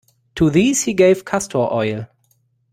To these he gave castor oil.